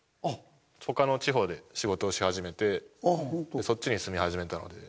他の地方で仕事をし始めてそっちに住み始めたので。